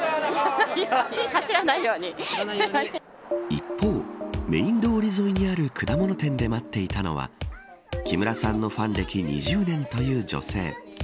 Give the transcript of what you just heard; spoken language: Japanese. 一方、メーン通り沿いにある果物店で待っていたのは木村さんのファン歴２０年という女性。